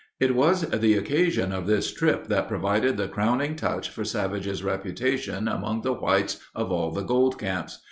It was the occasion of this trip that provided the crowning touch for Savage's reputation among the whites of all the gold camps.